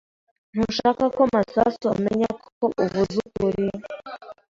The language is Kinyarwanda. Ntushaka ko Masasu amenya ko uvuze ukuri?